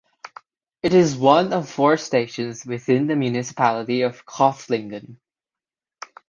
It is one of four stations within the municipality of Kreuzlingen.